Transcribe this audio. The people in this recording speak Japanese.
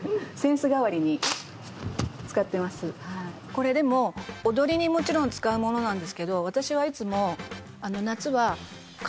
「これでも踊りにもちろん使うものなんですけど私はいつも夏はカバンの中に入ってて。